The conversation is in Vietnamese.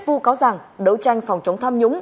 vô cáo rằng đấu tranh phòng chống tham nhũng